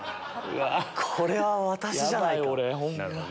これは私じゃないか？